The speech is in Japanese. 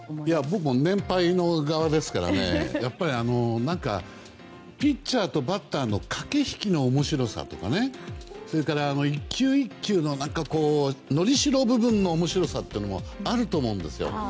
僕も年配側ですからピッチャーとバッターの駆け引きの面白さとか１球１球の、のりしろ部分の面白さというのもあると思うんですよ。